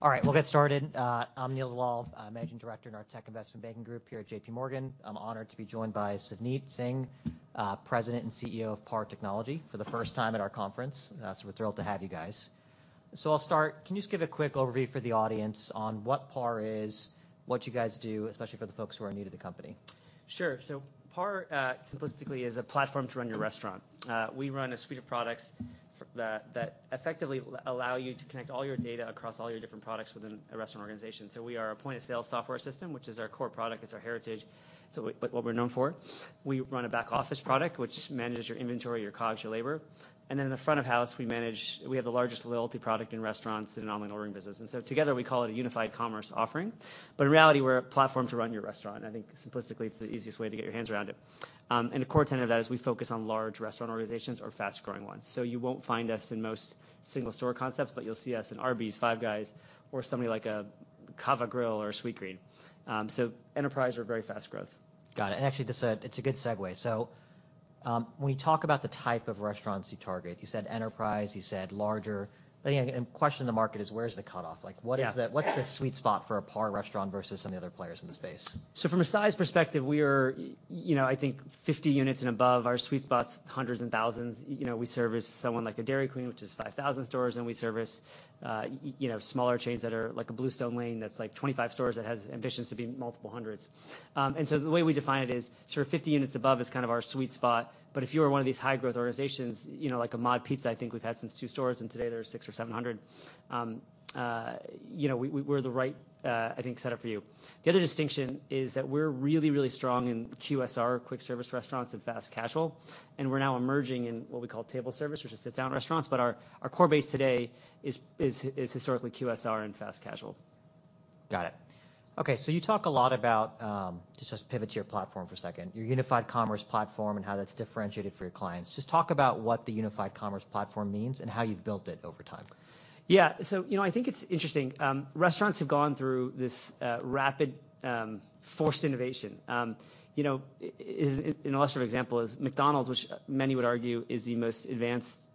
All right, we'll get started. I'm Neil Dalal, Managing Director in our tech investment banking group here at JPMorgan. I'm honored to be joined by Savneet Singh, President and CEO of PAR Technology, for the first time at our conference. We're thrilled to have you guys. I'll start. Can you just give a quick overview for the audience on what PAR is, what you guys do, especially for the folks who are new to the company? Sure. PAR simplistically is a platform to run your restaurant. We run a suite of products that effectively allow you to connect all your data across all your different products within a restaurant organization. We are a point-of-sale software system, which is our core product. It's our heritage. It's what we're known for. We run a back-office product, which manages your inventory, your COGS, your labor. In the front of house, we have the largest loyalty product in restaurants and online ordering business. Together we call it a unified commerce offering. In reality, we're a platform to run your restaurant. I think simplistically, it's the easiest way to get your hands around it. The core tenet of that is we focus on large restaurant organizations or fast-growing ones. You won't find us in most single store concepts, but you'll see us in Arby's, Five Guys, or somebody like a Cava Grill or a Sweetgreen. Enterprise or very fast growth. Got it. Actually, it's a good segue. When you talk about the type of restaurants you target, you said enterprise, you said larger. Again, and question in the market is where's the cutoff? Like what is the Yeah. What's the sweet spot for a PAR restaurant versus some of the other players in the space? From a size perspective, we are, you know, I think 50 units and above. Our sweet spot's hundreds and thousands. You know, we service someone like a Dairy Queen, which is 5,000 stores, and we service, you know, smaller chains that are like a Bluestone Lane, that's like 25 stores that has ambitions to be multiple hundreds. The way we define it is sort of 50 units above is kind of our sweet spot, but if you are one of these high growth organizations, you know, like a MOD Pizza, I think we've had since two stores, and today there are 600 or 700, you know, we're the right, I think set up for you. The other distinction is that we're really strong in QSR, quick service restaurants and fast casual, and we're now emerging in what we call table service, which is sit down restaurants. Our core base today is historically QSR and fast casual. Got it. Okay. You talk a lot about. Just let's pivot to your platform for a second, your unified commerce platform and how that's differentiated for your clients. Just talk about what the unified commerce platform means and how you've built it over time. You know, I think it's interesting. Restaurants have gone through this rapid forced innovation. You know. An illustrative example is McDonald's, which many would argue is the most advanced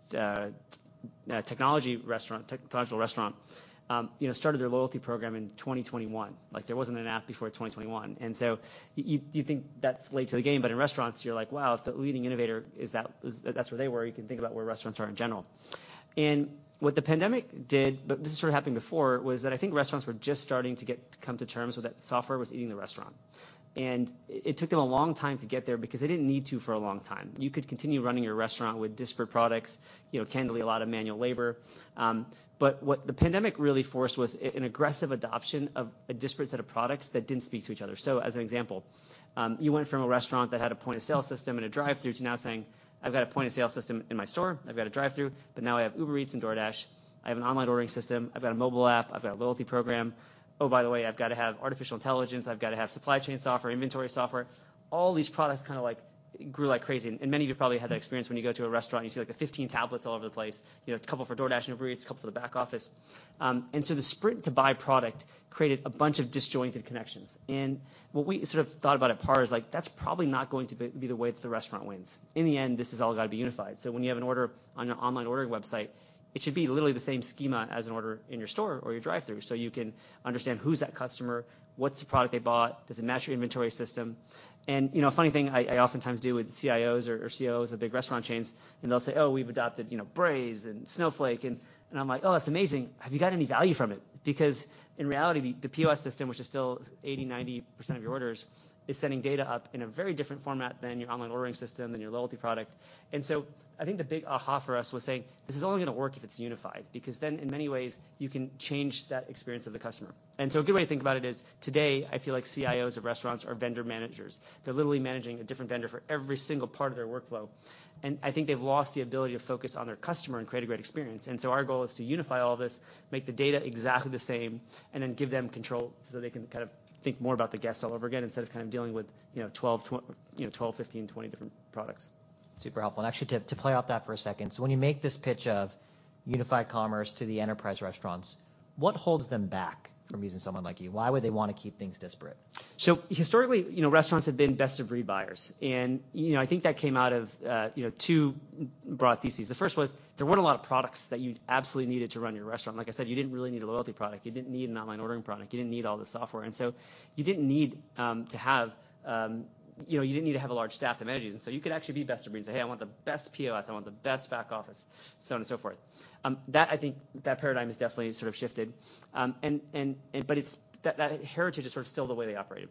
technology restaurant, technological restaurant. You know, started their loyalty program in 2021. Like, there wasn't an app before 2021. You think that's late to the game, but in restaurants you're like, "Wow, if the leading innovator is that's where they were, you can think about where restaurants are in general." What the pandemic did, but this sort of happened before, was that I think restaurants were just starting to come to terms with that software was eating the restaurant. And it took them a long time to get there because they didn't need to for a long time. You could continue running your restaurant with disparate products, you know, candidly, a lot of manual labor. What the pandemic really forced was an aggressive adoption of a disparate set of products that didn't speak to each other. As an example, you went from a restaurant that had a point-of-sale system and a drive-thru to now saying, "I've got a point-of-sale system in my store. I've got a drive-thru, but now I have Uber Eats and DoorDash. I have an online ordering system. I've got a mobile app. I've got a loyalty program. Oh, by the way, I've got to have artificial intelligence. I've got to have supply chain software, inventory software." All these products kinda like grew like crazy. Many of you probably had that experience when you go to a restaurant and you see like the 15 tablets all over the place, you know, a couple for DoorDash and Uber Eats, a couple for the back office. The sprint to buy product created a bunch of disjointed connections. What we sort of thought about at PAR is like, that's probably not going to be the way that the restaurant wins. In the end, this has all got to be unified. When you have an order on your online ordering website, it should be literally the same schema as an order in your store or your drive-thru, so you can understand who's that customer, what's the product they bought, does it match your inventory system? You know, a funny thing I oftentimes do with CIOs or CEOs of big restaurant chains, and they'll say, "Oh, we've adopted, you know, Braze and Snowflake." I'm like, "Oh, that's amazing. Have you gotten any value from it?" Because in reality, the POS system, which is still 80%, 90% of your orders, is sending data up in a very different format than your online ordering system and your loyalty product. I think the big aha for us was saying, "This is only gonna work if it's unified," because then in many ways you can change that experience of the customer. A good way to think about it is, today, I feel like CIOs of restaurants are vendor managers. They're literally managing a different vendor for every single part of their workflow. I think they've lost the ability to focus on their customer and create a great experience. Our goal is to unify all this, make the data exactly the same, and then give them control so they can kind of think more about the guests all over again instead of kind of dealing with, you know, 12, 15, 20 different products. Super helpful. Actually, to play off that for a second, when you make this pitch of unified commerce to the enterprise restaurants, what holds them back from using someone like you? Why would they wanna keep things disparate? Historically, you know, restaurants have been best of breed buyers. You know, I think that came out of, you know, two broad theses. The first was, there weren't a lot of products that you absolutely needed to run your restaurant. Like I said, you didn't really need a loyalty product. You didn't need an online ordering product. You didn't need all the software. You didn't need to have, you know, you didn't need to have a large staff to manage these. You could actually be best of breed and say, "Hey, I want the best POS, I want the best back office," so on and so forth. That I think, that paradigm has definitely sort of shifted. It's that heritage is sort of still the way they operate.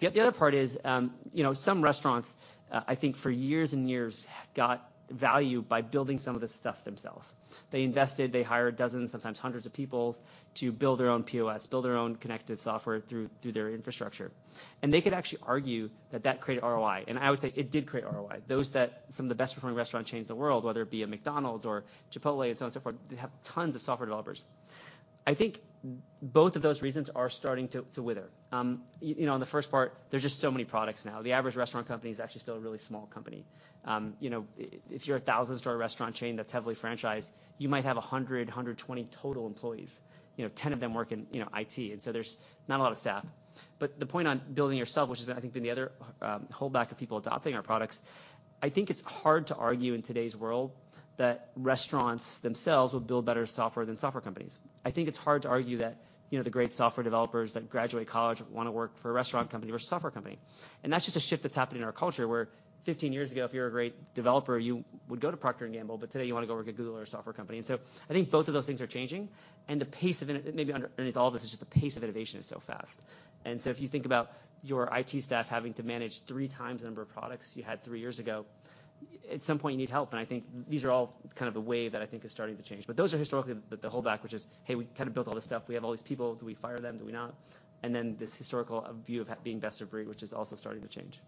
The other part is, you know, some restaurants, I think for years and years got value by building some of this stuff themselves. They invested, they hired dozens, sometimes hundreds of people to build their own POS, build their own connective software through their infrastructure. They could actually argue that that created ROI. I would say it did create ROI. Some of the best performing restaurant chains in the world, whether it be a McDonald's or Chipotle and so on and so forth, they have tons of software developers. I think both of those reasons are starting to wither. You know, on the first part, there's just so many products now. The average restaurant company is actually still a really small company. You know, if you're a 1,000-store restaurant chain that's heavily franchised, you might have 100, 120 total employees. You know, 10 of them work in, you know, IT. There's not a lot of staff. The point on building yourself, which has, I think, been the other holdback of people adopting our products, I think it's hard to argue in today's world that restaurants themselves will build better software than software companies. I think it's hard to argue that, you know, the great software developers that graduate college wanna work for a restaurant company or a software company. That's just a shift that's happening in our culture, where 15 years ago, if you're a great developer, you would go to Procter & Gamble, but today you wanna go work at Google or a software company. I think both of those things are changing, and the pace of underneath all of this is just the pace of innovation is so fast. If you think about your IT staff having to manage three times the number of products you had three years ago, at some point you need help. I think these are all kind of the way that I think is starting to change. Those are historically the holdback, which is, hey, we kinda built all this stuff. We have all these people. Do we fire them? Do we not? Then this historical view of being best of breed, which is also starting to change.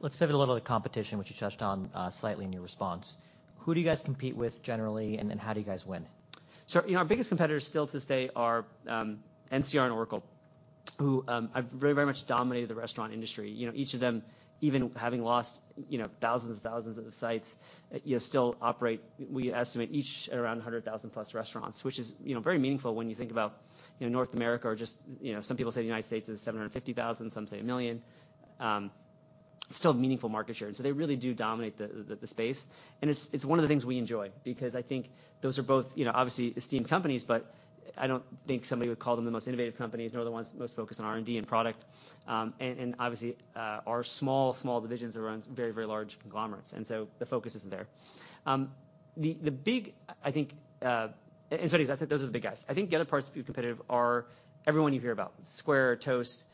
Let's pivot a little to the competition, which you touched on, slightly in your response. Who do you guys compete with generally, and then how do you guys win? you know, our biggest competitors still to this day are NCR and Oracle, who have very, very much dominated the restaurant industry. You know, each of them, even having lost, you know, thousands and thousands of sites, you know, still operate, we estimate each at around 100,000+ restaurants, which is, you know, very meaningful when you think about, you know, North America or just, you know, some people say the United States is 750,000, some say 1 million. Still meaningful market share. They really do dominate the, the space. It's, it's one of the things we enjoy because I think those are both, you know, obviously esteemed companies, but I don't think somebody would call them the most innovative companies, nor the ones most focused on R&D and product. Obviously, are small divisions that runs very, very large conglomerates. So the focus isn't there. The big, I think. In some ways, that's it. Those are the big guys. I think the other parts to be competitive are everyone you hear about, Square, Toast,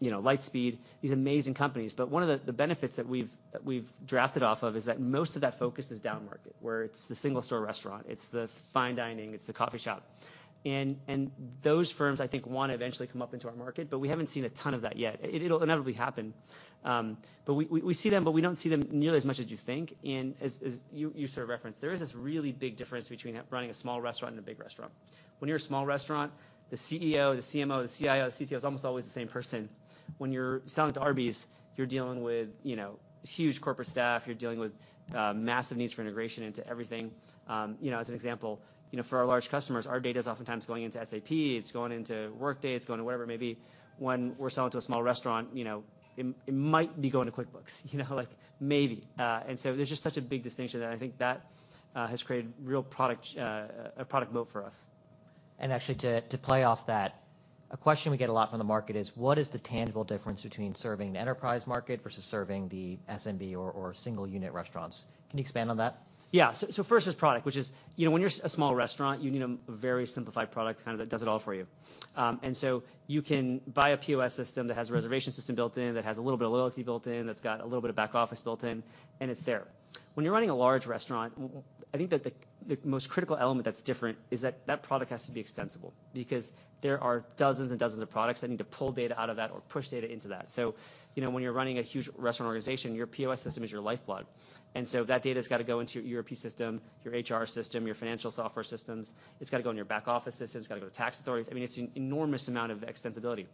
you know, Lightspeed, these amazing companies. One of the benefits that we've drafted off of is that most of that focus is down-market, where it's the single store restaurant, it's the fine dining, it's the coffee shop. Those firms I think wanna eventually come up into our market, but we haven't seen a ton of that yet. It'll inevitably happen. We see them, but we don't see them nearly as much as you think. As you sort of referenced, there is this really big difference between running a small restaurant and a big restaurant. When you're a small restaurant, the CEO, the CMO, the CIO, the CTO is almost always the same person. When you're selling to Arby's, you're dealing with, you know, huge corporate staff. You're dealing with massive needs for integration into everything. You know, as an example, you know, for our large customers, our data is oftentimes going into SAP. It's going into Workday. It's going to wherever it may be. When we're selling to a small restaurant, you know, it might be going to QuickBooks, you know, like maybe. There's just such a big distinction there, and I think that has created real product a product moat for us. Actually to play off that, a question we get a lot from the market is what is the tangible difference between serving the enterprise market versus serving the SMB or single unit restaurants? Can you expand on that? Yeah. So first is product, which is, you know, when you're a small restaurant, you need a very simplified product, kind of that does it all for you. You can buy a POS system that has a reservation system built in, that has a little bit of loyalty built in, that's got a little bit of back office built in, and it's there. When you're running a large restaurant, I think that the most critical element that's different is that that product has to be extensible because there are dozens and dozens of products that need to pull data out of that or push data into that. You know, when you're running a huge restaurant organization, your POS system is your lifeblood. That data's gotta go into your ERP system, your HR system, your financial software systems. It's gotta go in your back office system. It's gotta go to tax authorities. I mean, it's an enormous amount of extensibility.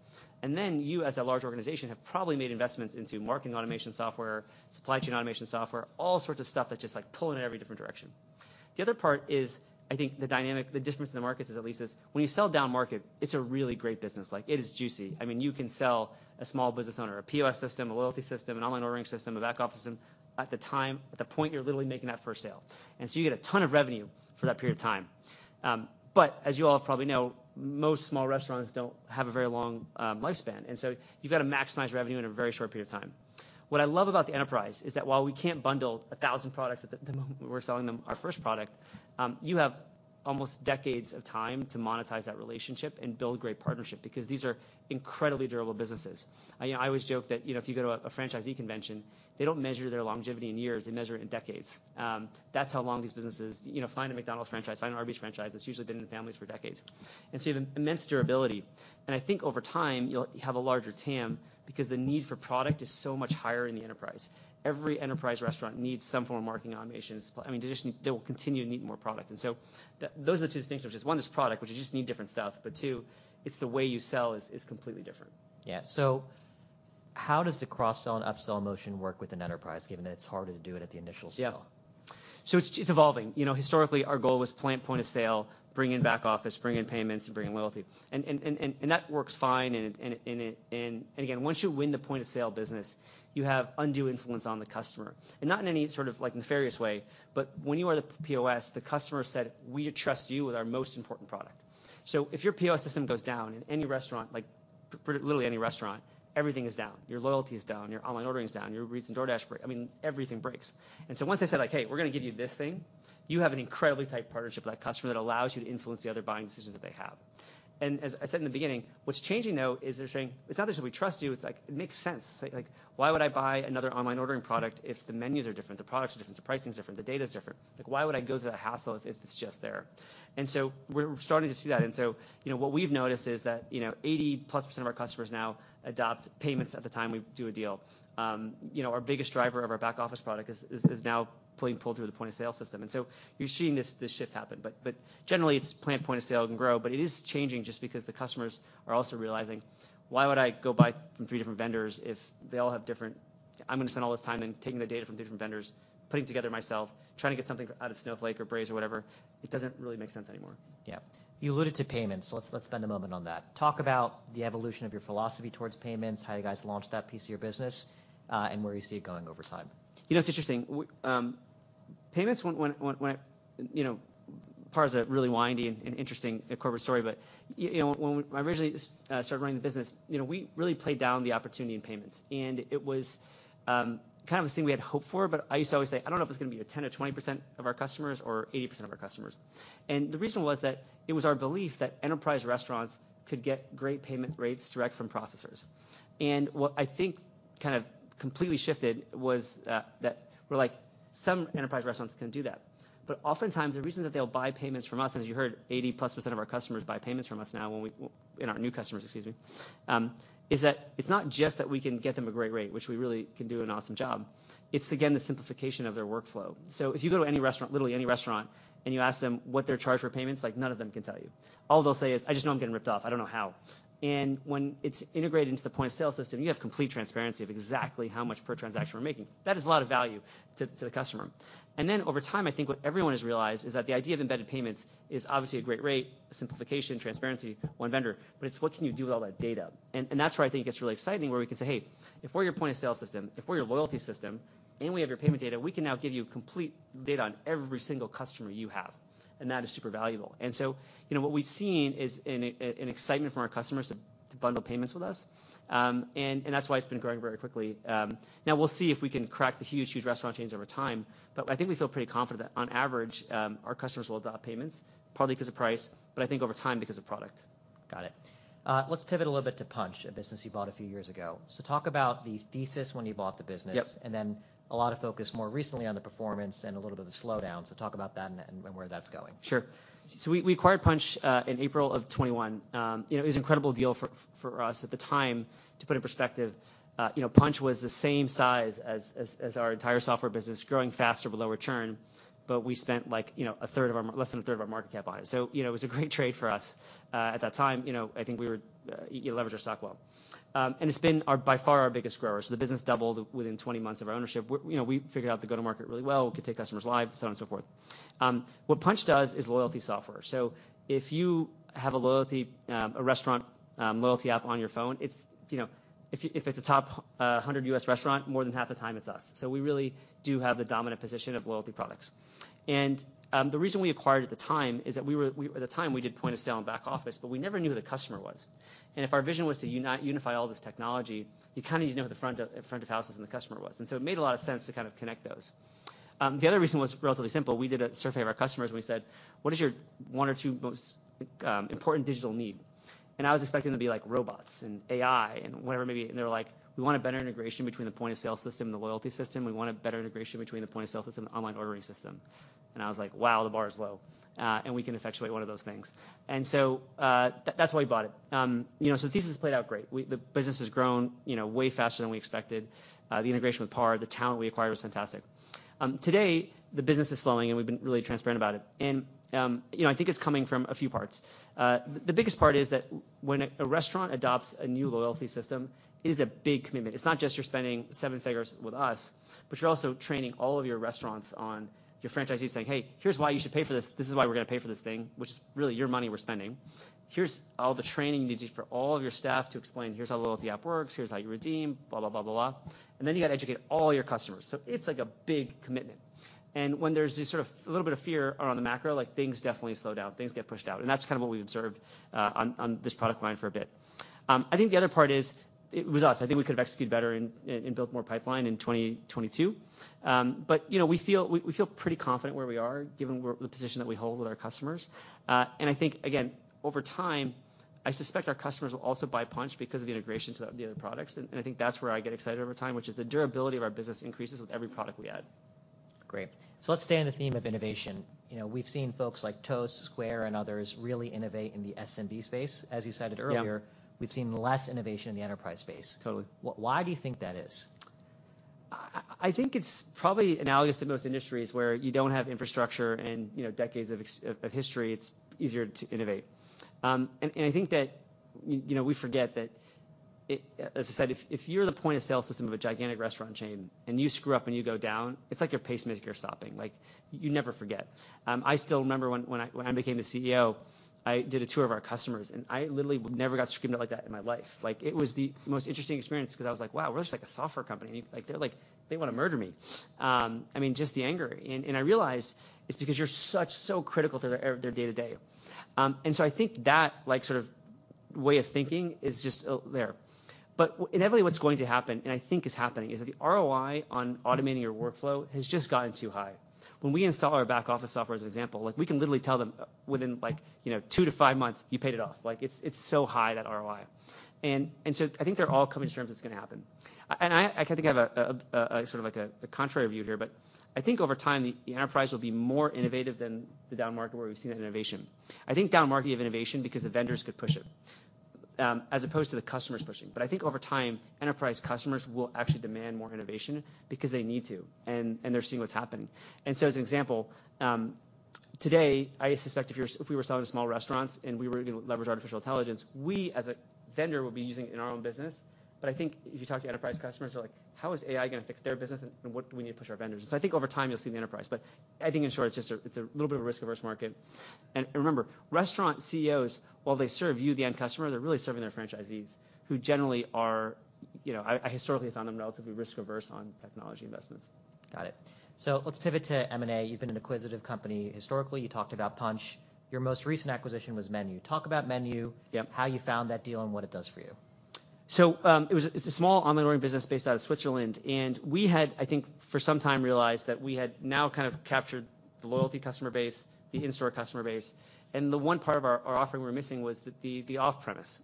Then you as a large organization have probably made investments into marketing automation software, supply chain automation software, all sorts of stuff that just like pull in every different direction. The other part is, I think the dynamic, the difference in the markets is at least is when you sell down market, it's a really great business. Like it is juicy. I mean, you can sell a small business owner a POS system, a loyalty system, an online ordering system, a back office system at the time, at the point you're literally making that first sale. So you get a ton of revenue for that period of time. As you all probably know, most small restaurants don't have a very long lifespan, you've got to maximize revenue in a very short period of time. What I love about the enterprise is that while we can't bundle 1,000 products at the moment we're selling them our first product, you have almost decades of time to monetize that relationship and build great partnership because these are incredibly durable businesses. You know, I always joke that, you know, if you go to a franchisee convention, they don't measure their longevity in years, they measure it in decades. That's how long these businesses. You know, find a McDonald's franchise, find an Arby's franchise that's usually been in the families for decades. You have immense durability. I think over time you'll have a larger TAM because the need for product is so much higher in the enterprise. Every enterprise restaurant needs some form of marketing automation and supply. I mean, they will continue to need more product. Those are the two distinctions. Just one is product, which you just need different stuff, but two, it's the way you sell is completely different. Yeah. How does the cross-sell and up-sell motion work with an enterprise, given that it's harder to do it at the initial sell? Yeah. It's, it's evolving. You know, historically our goal was plant point of sale, bring in back office, bring in payments and bring in loyalty. That works fine. Again, once you win the point of sale business, you have undue influence on the customer, and not in any sort of like nefarious way, but when you are the POS, the customer said, "We trust you with our most important product." If your POS system goes down in any restaurant, like literally any restaurant, everything is down. Your loyalty is down, your online ordering is down, your Grubhub and DoorDash break. I mean, everything breaks. Once they say like, "Hey, we're gonna give you this thing," you have an incredibly tight partnership with that customer that allows you to influence the other buying decisions that they have. As I said in the beginning, what's changing though is they're saying, "It's not just that we trust you." It's like, "It makes sense." Why would I buy another online ordering product if the menus are different, the products are different, the pricing's different, the data's different? Why would I go through that hassle if it's just there? We're starting to see that. You know, what we've noticed is that, you know, 80%+ of our customers now adopt payments at the time we do a deal. you know, our biggest driver of our back office product is now pulled through the point of sale system. You're seeing this shift happen. Generally PAR point of sale can grow, but it is changing just because the customers are also realizing, "Why would I go buy from three different vendors if they all have different... I'm gonna spend all this time in taking the data from different vendors, putting it together myself, trying to get something out of Snowflake or Braze or whatever. It doesn't really make sense anymore. Yeah. You alluded to payments. Let's spend a moment on that. Talk about the evolution of your philosophy towards payments, how you guys launched that piece of your business, and where you see it going over time. You know, it's interesting. Payments went, you know, PAR is a really windy and interesting corporate story, but you know, when we originally started running the business, you know, we really played down the opportunity in payments. It was kind of this thing we had hoped for, but I used to always say, "I don't know if it's gonna be a 10% or 20% of our customers or 80% of our customers." The reason was that it was our belief that enterprise restaurants could get great payment rates direct from processors. What I think kind of completely shifted was that we're like, some enterprise restaurants can do that. Oftentimes the reason that they'll buy payments from us, as you heard, 80%+ of our customers buy payments from us now and our new customers, excuse me, is that it's not just that we can get them a great rate, which we really can do an awesome job. It's again, the simplification of their workflow. If you go to any restaurant, literally any restaurant, and you ask them what they're charged for payments, like none of them can tell you. All they'll say is, "I just know I'm getting ripped off. I don't know how." When it's integrated into the point-of-sale system, you have complete transparency of exactly how much per transaction we're making. That is a lot of value to the customer. Over time, I think what everyone has realized is that the idea of embedded payments is obviously a great rate, simplification, transparency, one vendor, but it's what can you do with all that data? That's where I think it gets really exciting where we can say, "Hey, if we're your point-of-sale system, if we're your loyalty system, and we have your payment data, we can now give you complete data on every single customer you have," and that is super valuable. You know, what we've seen is an excitement from our customers to bundle payments with us. That's why it's been growing very quickly. Now we'll see if we can crack the huge restaurant chains over time. I think we feel pretty confident that on average, our customers will adopt payments partly 'cause of price, but I think over time because of product. Got it. Let's pivot a little bit to Punchh, a business you bought a few years ago. Talk about the thesis when you bought the business. Yep. A lot of focus more recently on the performance and a little bit of the slowdown. Talk about that and where that's going. Sure. We, we acquired Punchh in April of 2021. You know, it was an incredible deal for us at the time. To put in perspective, you know, Punchh was the same size as our entire software business growing faster with lower churn, but we spent like, you know, less than a third of our market cap on it. You know, it was a great trade for us at that time. You know, I think we were, you know, leverage our stock well. It's been our, by far our biggest grower. The business doubled within 20 months of our ownership. We're, you know, we figured out to go to market really well, we could take customers live, so on and so forth. What Punchh does is loyalty software. If you have a loyalty, a restaurant, loyalty app on your phone, it's, you know, if it's a top 100 U.S. restaurant, more than half the time it's us. We really do have the dominant position of loyalty products. The reason we acquired at the time is that we were, at the time we did point of sale and back office, but we never knew who the customer was. If our vision was to unify all this technology, you kind of need to know who the front of house is and the customer was. It made a lot of sense to kind of connect those. The other reason was relatively simple. We did a survey of our customers and we said, "What is your one or two most important digital need?" I was expecting it to be like robots and AI and whatever it may be. They're like, "We want a better integration between the point-of-sale system and the loyalty system. We want a better integration between the point-of-sale system and online ordering system." I was like, "Wow, the bar is low," and we can effectuate one of those things. That's why we bought it. You know, thesis played out great. The business has grown, you know, way faster than we expected. The integration with PAR, the talent we acquired was fantastic. Today the business is slowing, and we've been really transparent about it. You know, I think it's coming from a few parts. The biggest part is that when a restaurant adopts a new loyalty system, it is a big commitment. It's not just you're spending seven figures with us, but you're also training all of your restaurants on your franchisees saying, "Hey, here's why you should pay for this. This is why we're gonna pay for this thing, which is really your money we're spending. Here's all the training you need to do for all of your staff to explain here's how the loyalty app works, here's how you redeem," blah, blah, blah. Then you gotta educate all your customers. It's like a big commitment. When there's this sort of a little bit of fear around the macro, like things definitely slow down, things get pushed out. That's kinda what we observed on this product line for a bit. I think the other part is it was us. I think we could have executed better and built more pipeline in 2022. You know, we feel pretty confident where we are given where the position that we hold with our customers. I think again, over time, I suspect our customers will also buy Punchh because of the integration to the other products. I think that's where I get excited over time, which is the durability of our business increases with every product we add. Great. Let's stay on the theme of innovation. You know, we've seen folks like Toast, Square, and others really innovate in the SMB space. As you cited earlier- Yeah. we've seen less innovation in the enterprise space. Totally. Why do you think that is? I think it's probably analogous to most industries where you don't have infrastructure and, you know, decades of history, it's easier to innovate. I think that, you know, we forget that it. As I said, if you're the point-of-sale system of a gigantic restaurant chain and you screw up and you go down, it's like your pacemaker stopping. Like, you never forget. I still remember when I became the CEO, I did a tour of our customers, and I literally never got screamed at like that in my life. Like, it was the most interesting experience 'cause I was like, "Wow, we're just like a software company." Like, they're like, "They wanna murder me." I mean, just the anger. I realized it's because you're so critical to their day-to-day. I think that like sort of way of thinking is just there. Inevitably what's going to happen, and I think is happening, is that the ROI on automating your workflow has just gotten too high. When we install our back office software as an example, like we can literally tell them within like, you know, two to five months you paid it off. Like it's so high that ROI. I think they're all coming to terms it's gonna happen. I kinda think I have a sort of like a contrary view here, but I think over time the enterprise will be more innovative than the downmarket where we've seen that innovation. I think downmarket gave innovation because the vendors could push it, as opposed to the customers pushing. I think over time, enterprise customers will actually demand more innovation because they need to, and they're seeing what's happening. As an example, today I suspect if we were selling to small restaurants and we were gonna leverage artificial intelligence, we as a vendor would be using it in our own business. I think if you talk to enterprise customers, they're like, "How is AI gonna fix their business and what do we need to push our vendors?" I think over time you'll see the enterprise, but I think in short it's just a little bit of a risk-averse market. Remember, restaurant CEOs, while they serve you the end customer, they're really serving their franchisees, who generally are, you know, I historically found them relatively risk-averse on technology investments. Got it. let's pivot to M&A. You've been an acquisitive company historically. You talked about Punchh. Your most recent acquisition was MENU. Talk about MENU. Yep. how you found that deal and what it does for you. It was a, it's a small online ordering business based out of Switzerland, and we had, I think, for some time realized that we had now kind of captured the loyalty customer base, the in-store customer base, and the one part of our offering we were missing was the off-premise.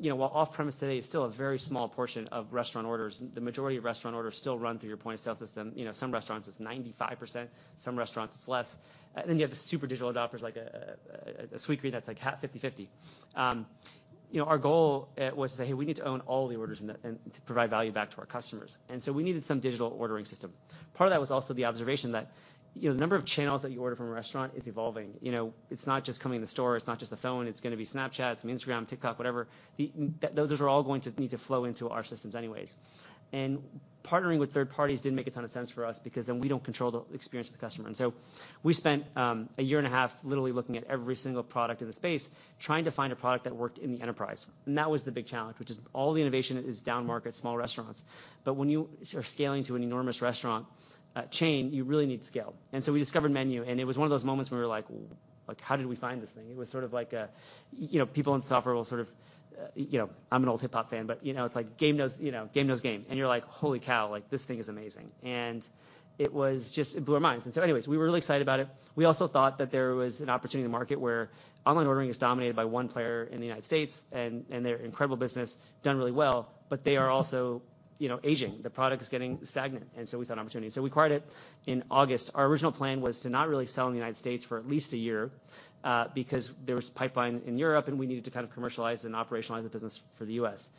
You know, while off-premise today is still a very small portion of restaurant orders, the majority of restaurant orders still run through your point-of-sale system. You know, some restaurants it's 95%, some restaurants it's less. Then you have the super digital adopters like a Sweetgreen that's like 50/50. You know, our goal was to say, "Hey, we need to own all the orders and to provide value back to our customers." We needed some digital ordering system. Part of that was also the observation that, you know, the number of channels that you order from a restaurant is evolving. You know, it's not just coming to the store, it's not just the phone, it's gonna be Snapchat, some Instagram, TikTok, whatever. Those are all going to need to flow into our systems anyways. Partnering with third parties didn't make a ton of sense for us because then we don't control the experience with the customer. We spent a year and a half literally looking at every single product in the space, trying to find a product that worked in the enterprise. That was the big challenge, which is all the innovation is down-market, small restaurants. When you are scaling to an enormous restaurant chain, you really need scale. We discovered MENU, and it was one of those moments when we were like, "Well, like how did we find this thing?" It was sort of like a, you know, people in software will sort of, you know... I'm an old hip-hop fan, but, you know, it's like game knows, you know, game knows game. You're like, "Holy cow," like, "this thing is amazing." It was just, it blew our minds. Anyways, we were really excited about it. We also thought that there was an opportunity in the market where online ordering is dominated by one player in the United States, and they're an incredible business, done really well, but they are also, you know, aging. The product is getting stagnant, we saw an opportunity. We acquired it in August. Our original plan was to not really sell in the United States for at least a year, because there was pipeline in Europe, and we needed to kind of commercialize and operationalize the business for the U.S.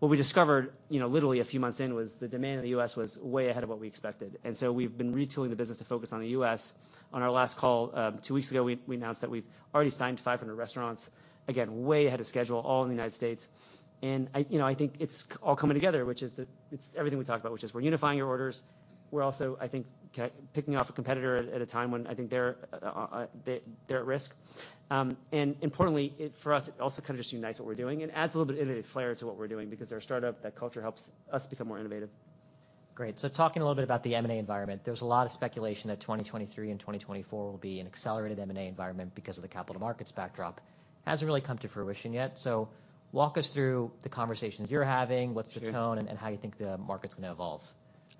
What we discovered, you know, literally a few months in, was the demand in the U.S. was way ahead of what we expected. We've been retooling the business to focus on the U.S. On our last call, two weeks ago, we announced that we've already signed 500 restaurants, again, way ahead of schedule, all in the United States. I, you know, I think it's all coming together, which is it's everything we talked about, which is we're unifying your orders. We're also, I think, picking off a competitor at a time when I think they're at risk. Importantly, it, for us, it also kind of just unites what we're doing and adds a little bit innovative flair to what we're doing because they're a startup, that culture helps us become more innovative. Great. Talking a little bit about the M&A environment, there's a lot of speculation that 2023 and 2024 will be an accelerated M&A environment because of the capital markets backdrop. Hasn't really come to fruition yet, so walk us through the conversations you're having. Sure. What's the tone, and how you think the market's gonna evolve?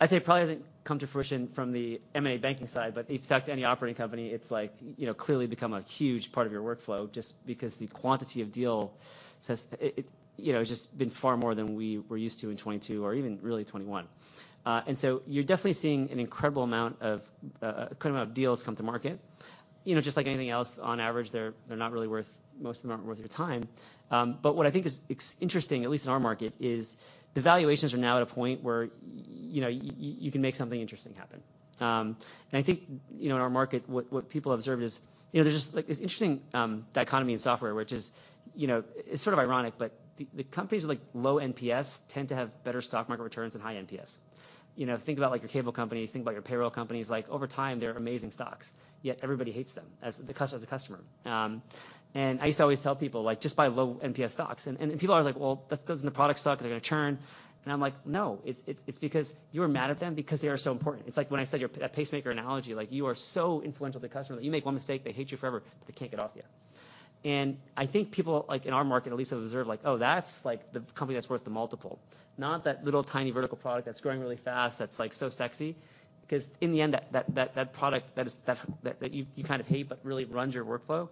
I'd say it probably hasn't come to fruition from the M&A banking side, but if you talk to any operating company, it's like, you know, clearly become a huge part of your workflow just because the quantity of deal since it, you know, has just been far more than we were used to in 2022 or even really 2021. You're definitely seeing an incredible amount of deals come to market. You know, just like anything else, on average they're not really worth, most of them aren't worth your time. What I think is interesting, at least in our market, is the valuations are now at a point where, you know, you can make something interesting happen. I think, you know, in our market, what people observe is, you know, there's just like this interesting dichotomy in software, which is, you know, it's sort of ironic, but the companies with like low NPS tend to have better stock market returns than high NPS. You know, think about like your cable companies, think about your payroll companies, like over time, they're amazing stocks, yet everybody hates them as a customer. I used to always tell people like, "Just buy low NPS stocks." People are like, "Well, doesn't the product suck? Are they gonna churn?" I'm like, "No. It's because you're mad at them because they are so important." It's like when I said your pacemaker analogy, like you are so influential to the customer that you make one mistake, they hate you forever, but they can't get off you. I think people like in our market at least have observed like, "Oh, that's like the company that's worth the multiple," not that little tiny vertical product that's growing really fast, that's like so sexy. In the end that product that you kind of hate but really runs your workflow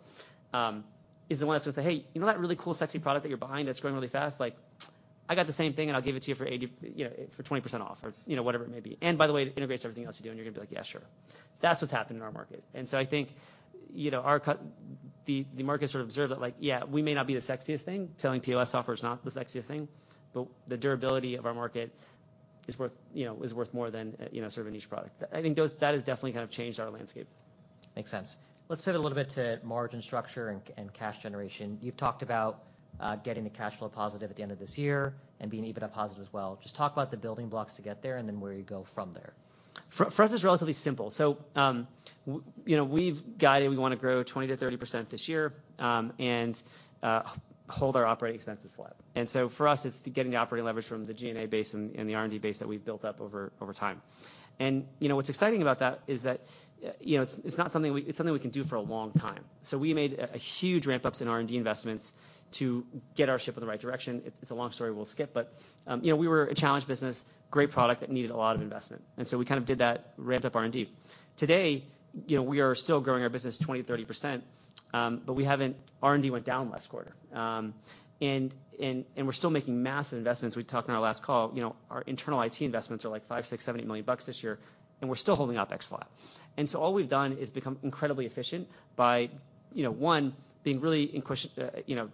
is the one that's gonna say, "Hey, you know that really cool, sexy product that you're behind that's growing really fast? Like I got the same thing and I'll give it to you for 80, you know, for 20% off or, you know, whatever it may be. By the way, it integrates everything else you do," and you're gonna be like, "Yeah, sure." That's what's happened in our market. I think, you know, the market sort of observed that like, yeah, we may not be the sexiest thing. Selling POS software is not the sexiest thing, but the durability of our market is worth, you know, is worth more than, you know, sort of a niche product. I think that has definitely kind of changed our landscape. Makes sense. Let's pivot a little bit to margin structure and and cash generation. You've talked about getting to cash flow positive at the end of this year and being EBITDA positive as well. Just talk about the building blocks to get there and then where you go from there. For us, it's relatively simple. You know, we've guided, we wanna grow 20%-30% this year, and hold our operating expenses flat. For us, it's getting the operating leverage from the G&A base and the R&D base that we've built up over time. You know, what's exciting about that is that, you know, it's not something we, it's something we can do for a long time. We made a huge ramp-ups in R&D investments to get our ship in the right direction. It's a long story we'll skip, but, you know, we were a challenged business, great product that needed a lot of investment, and so we kind of did that, ramped up R&D. Today, you know, we are still growing our business 20%-30%, but we haven't... R&D went down last quarter. And we're still making massive investments. We talked on our last call, you know, our internal IT investments are like five, six, $70 million this year, and we're still holding OpEx flat. All we've done is become incredibly efficient by, you know, one, being really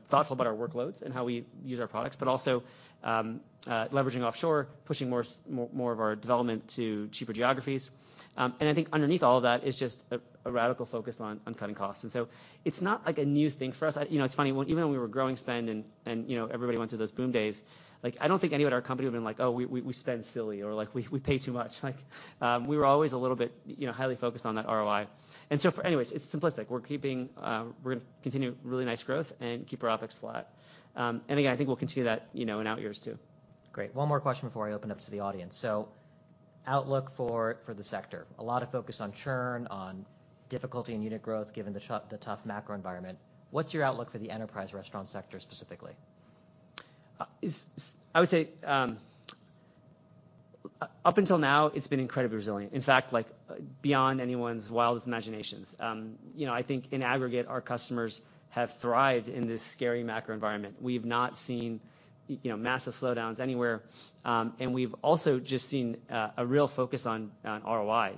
thoughtful about our workloads and how we use our products, but also leveraging offshore, pushing more of our development to cheaper geographies. I think underneath all of that is just a radical focus on cutting costs. It's not like a new thing for us. You know, it's funny. When, even when we were growing spend and, you know, everybody went through those boom days, like I don't think anyone at our company would've been like, "Oh, we, we spend silly," or like, "We, we pay too much." We were always a little bit, you know, highly focused on that ROI. Anyways, it's simplistic. We're keeping, we're gonna continue really nice growth and keep our OpEx flat. Again, I think we'll continue that, you know, in out years too. Great. One more question before I open up to the audience. Outlook for the sector. A lot of focus on churn, on difficulty in unit growth given the tough macro environment. What's your outlook for the enterprise restaurant sector specifically? I would say, up until now it's been incredibly resilient. In fact, like, beyond anyone's wildest imaginations. You know, I think in aggregate, our customers have thrived in this scary macro environment. We've not seen, you know, massive slowdowns anywhere. We've also just seen a real focus on ROI.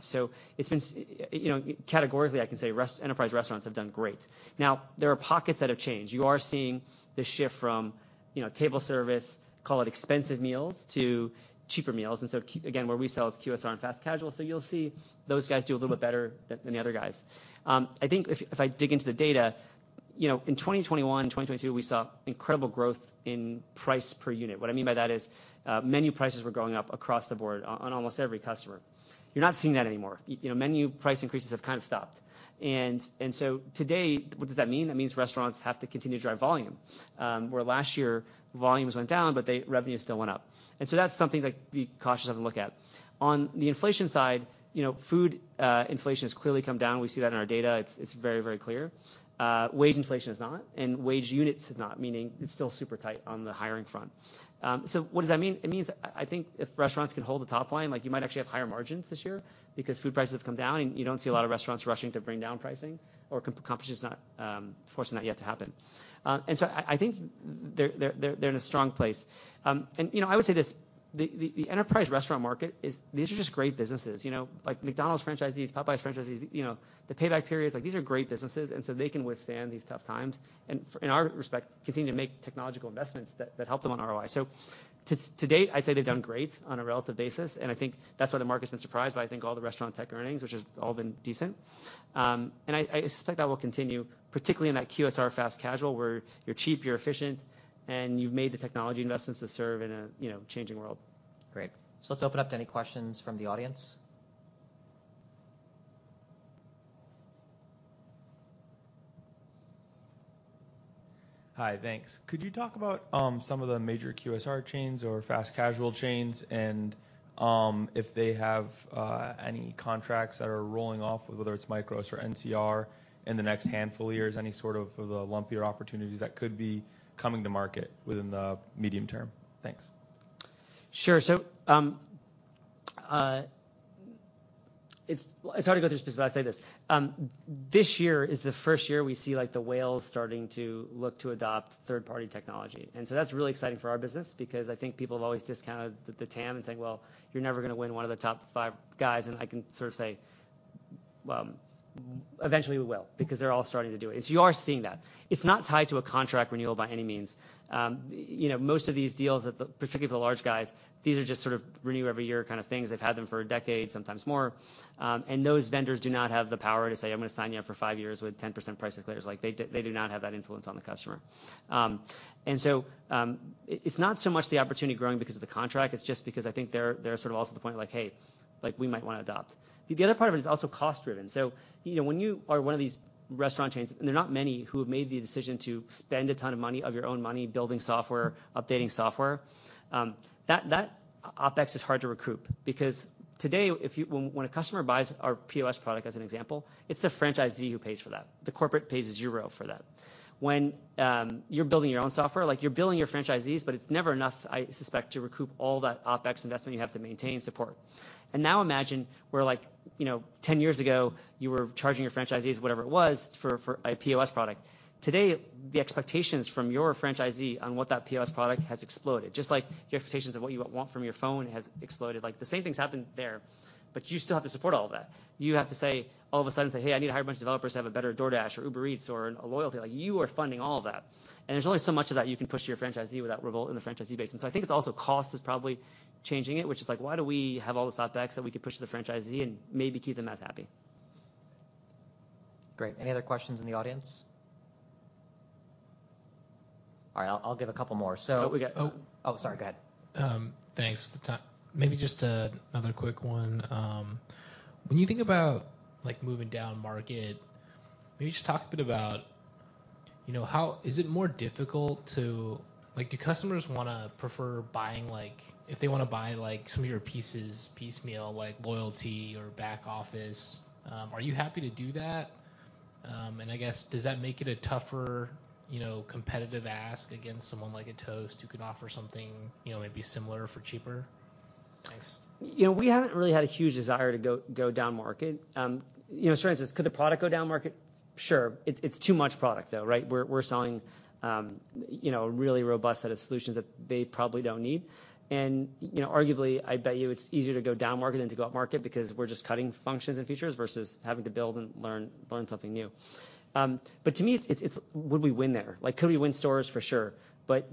It's been, you know, categorically, I can say enterprise restaurants have done great. Now, there are pockets that have changed. You are seeing the shift from, you know, table service, call it expensive meals, to cheaper meals. Again, where we sell is QSR and fast casual, so you'll see those guys do a little bit better than the other guys. I think if I dig into the data, you know, in 2021 and 2022 we saw incredible growth in price per unit. What I mean by that is, menu prices were going up across the board on almost every customer. You're not seeing that anymore. You know, menu price increases have kind of stopped. Today, what does that mean? That means restaurants have to continue to drive volume. Where last year volumes went down, but revenue still went up. That's something to be cautious of and look at. On the inflation side, you know, food inflation has clearly come down. We see that in our data. It's very, very clear. Wage inflation has not, and wage units have not, meaning it's still super tight on the hiring front. What does that mean? It means I think if restaurants can hold the top line, like you might actually have higher margins this year because food prices have come down and you don't see a lot of restaurants rushing to bring down pricing or competition's not fortunate enough yet to happen. I think they're in a strong place. You know, I would say this, the enterprise restaurant market is, these are just great businesses, you know? Like McDonald's franchisees, Popeyes franchisees, you know, the payback periods, like these are great businesses they can withstand these tough times in our respect, continue to make technological investments that help them on ROI. To date, I'd say they've done great on a relative basis, and I think that's why the market's been surprised by I think all the restaurant tech earnings, which has all been decent. I suspect that will continue, particularly in that QSR fast casual, where you're cheap, you're efficient, and you've made the technology investments to serve in a, you know, changing world. Great. Let's open up to any questions from the audience. Hi. Thanks. Could you talk about some of the major QSR chains or fast casual chains and if they have any contracts that are rolling off, whether it's MICROS or NCR in the next handful of years, any sort of the lumpier opportunities that could be coming to market within the medium term? Thanks. Sure. It's hard to go through specifically, but I say this. This year is the first year we see like the whales starting to look to adopt third-party technology. That's really exciting for our business because I think people have always discounted the TAM and saying, "Well, you're never gonna win one of the top five guys," and I can sort of say, "Well, eventually we will," because they're all starting to do it. You are seeing that. It's not tied to a contract renewal by any means. You know, most of these deals particularly for the large guys, these are just sort of renew every year kind of things. They've had them for a decade, sometimes more. Those vendors do not have the power to say, "I'm gonna sign you up for five years with 10% price declares." Like, they do not have that influence on the customer. It's not so much the opportunity growing because of the contract, it's just because I think they're sort of also to the point of like, "Hey, like we might wanna adopt." The other part of it is also cost driven. You know, when you are one of these restaurant chains, and there are not many who have made the decision to spend a ton of money, of your own money building software, updating software, that OpEx is hard to recoup. Because today, when a customer buys our POS product as an example, it's the franchisee who pays for that. The corporate pays zero for that. You're building your own software, like you're billing your franchisees, but it's never enough, I suspect, to recoup all that OpEx investment you have to maintain and support. Imagine where like, you know, 10 years ago you were charging your franchisees whatever it was for a POS product. Today, the expectations from your franchisee on what that POS product has exploded, just like the expectations of what you want from your phone has exploded. Like the same thing's happened there, but you still have to support all of that. You have to say, all of a sudden say, "Hey, I need to hire a bunch of developers to have a better DoorDash or Uber Eats or a loyalty." Like you are funding all of that, and there's only so much of that you can push to your franchisee without revolt in the franchisee base. I think it's also cost is probably changing it, which is like, why do we have all this OpEx that we could push to the franchisee and maybe keep them as happy? Great. Any other questions in the audience? All right. I'll give a couple more. What we got- Oh, sorry, go ahead. Thanks for the time. Maybe just another quick one. When you think about moving down market, maybe just talk a bit about, is it more difficult to? Do customers wanna prefer buying some of your pieces piecemeal, like loyalty or back office? Are you happy to do that? I guess, does that make a tougher competitive ask against someone like a Toast who can offer something maybe similar for cheaper? Thanks. You know, we haven't really had a huge desire to go down market. You know, in certain sense, could the product go down market? Sure. It's, it's too much product though, right? We're, we're selling, you know, a really robust set of solutions that they probably don't need. You know, arguably, I bet you it's easier to go down market than to go up market because we're just cutting functions and features versus having to build and learn something new. To me it's, would we win there? Like could we win stores? For sure.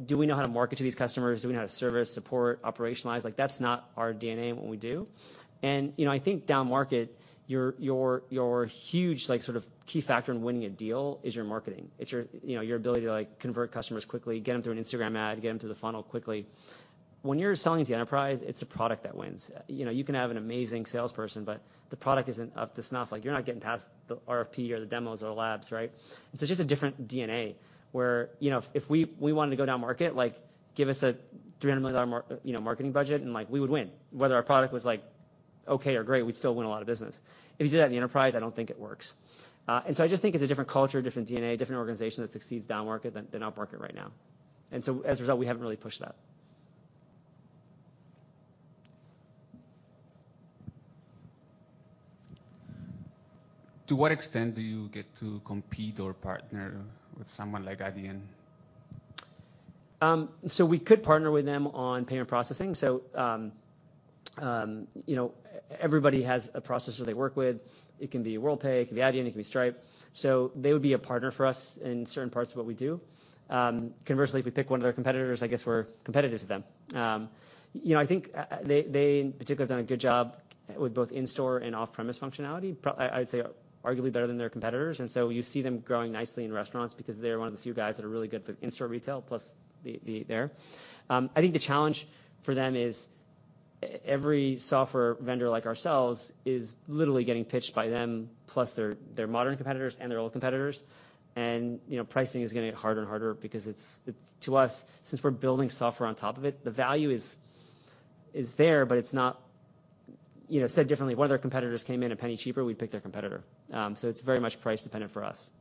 Do we know how to market to these customers? Do we know how to service, support, operationalize? Like that's not our DNA and what we do. You know, I think down market, your huge like sort of key factor in winning a deal is your marketing. It's your, you know, your ability to like convert customers quickly, get them through an Instagram ad, get them through the funnel quickly. When you're selling to enterprise, it's a product that wins. You know, you can have an amazing salesperson, but the product isn't up to snuff. Like, you're not getting past the RFP or the demos or the labs, right? It's just a different DNA where, you know, if we wanted to go down market, like, give us a $300 million you know, marketing budget, and, like, we would win. Whether our product was, like, okay or great, we'd still win a lot of business. If you do that in the enterprise, I don't think it works. I just think it's a different culture, different DNA, different organization that succeeds down market than up market right now. As a result, we haven't really pushed that. To what extent do you get to compete or partner with someone like Adyen? We could partner with them on payment processing. You know, everybody has a processor they work with. It can be Worldpay, it can be Adyen, it can be Stripe. They would be a partner for us in certain parts of what we do. Conversely, if we pick one of their competitors, I guess we're competitive to them. You know, I think they in particular have done a good job with both in-store and off-premise functionality, I'd say arguably better than their competitors. You see them growing nicely in restaurants because they're one of the few guys that are really good for in-store retail plus the there. I think the challenge for them is every software vendor like ourselves is literally getting pitched by them plus their modern competitors and their old competitors. You know, pricing is gonna get harder and harder because it's. To us, since we're building software on top of it, the value is there, but it's not. You know, said differently, one of their competitors came in a penny cheaper, we'd pick their competitor. It's very much price dependent for us.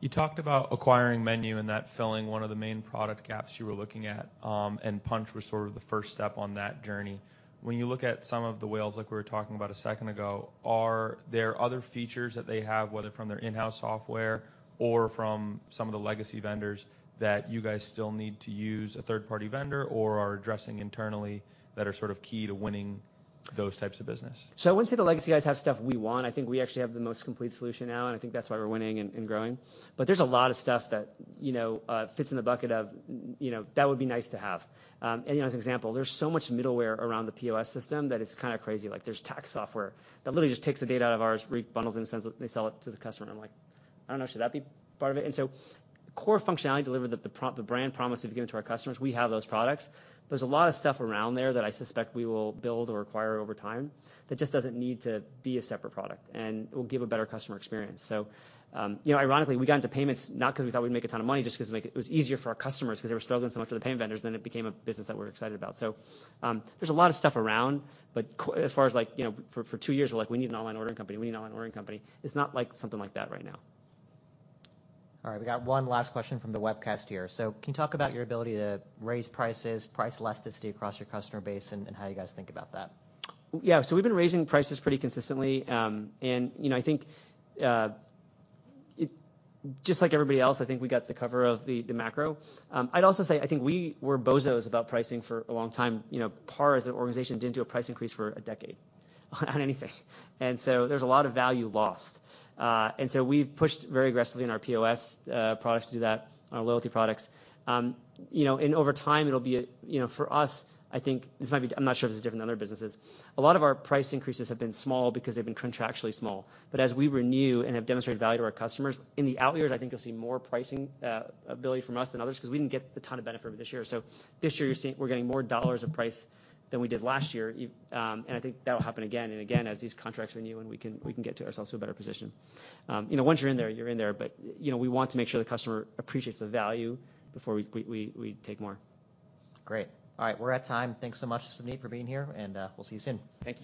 You talked about acquiring MENU and that filling one of the main product gaps you were looking at. Punchh was sort of the first step on that journey. When you look at some of the whales like we were talking about a second ago, are there other features that they have, whether from their in-house software or from some of the legacy vendors, that you guys still need to use a third-party vendor or are addressing internally that are sort of key to winning those types of business? I wouldn't say the legacy guys have stuff we want. I think we actually have the most complete solution now, and I think that's why we're winning and growing. There's a lot of stuff that, you know, fits in the bucket of, you know, that would be nice to have. You know, as an example, there's so much middleware around the POS system that it's kinda crazy. Like there's tax software that literally just takes the data out of ours, rebundles it, and sends it, and they sell it to the customer. I'm like, "I don't know, should that be part of it?" The core functionality delivered that the brand promise we've given to our customers, we have those products. There's a lot of stuff around there that I suspect we will build or acquire over time that just doesn't need to be a separate product and will give a better customer experience. You know, ironically, we got into payments not 'cause we thought we'd make a ton of money, just 'cause it was easier for our customers 'cause they were struggling so much with the payment vendors, then it became a business that we're excited about. There's a lot of stuff around, as far as like, you know, for two years, we're like, "We need an online ordering company." It's not like something like that right now. All right. We got one last question from the webcast here. Can you talk about your ability to raise prices, price elasticity across your customer base, and how you guys think about that? Yeah. We've been raising prices pretty consistently. You know, I think, just like everybody else, I think we got the cover of the macro. I'd also say I think we were bozos about pricing for a long time. You know, PAR as an organization didn't do a price increase for a decade on anything. There's a lot of value lost. We've pushed very aggressively in our POS products to do that, on our loyalty products. You know, over time it'll be, you know, for us I think, I'm not sure if it's different in other businesses. A lot of our price increases have been small because they've been contractually small. As we renew and have demonstrated value to our customers, in the out years I think you'll see more pricing ability from us than others 'cause we didn't get the ton of benefit this year. This year you're seeing we're getting more dollars of price than we did last year. And I think that'll happen again and again as these contracts renew and we can get ourselves to a better position. You know, once you're in there, you're in there. You know, we want to make sure the customer appreciates the value before we take more. Great. All right. We're at time. Thanks so much, Sundeep, for being here and, we'll see you soon. Thank you, David.